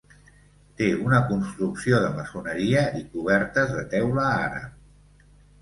Té una construcció de maçoneria i cobertes de teula àrab.